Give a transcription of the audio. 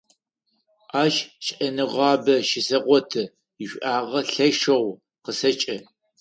Ащ шӀэныгъабэ щысэгъоты, ишӀуагъэ лъэшэу къысэкӀы.